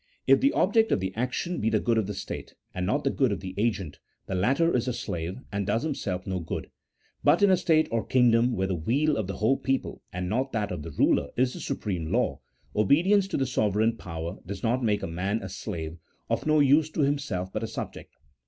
If the object of the action be the good of the state, and not the good of the agent, the latter is a slave and does himself no good: but in a state or kingdom where the weal of the whole people, and not that of the ruler, is the supreme law, obedience to the sovereign power does not make a man a slave, of no use to himself, but a subject.